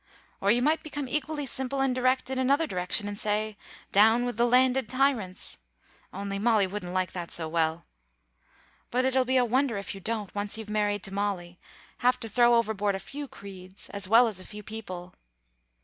Or you might become equally simple and direct in another direction, and say, 'Down with the landed tyrants,' only Molly wouldn't like that so well. But it'll be a wonder if you don't, once you're married to Molly, have to throw overboard a few creeds, as well as a few people.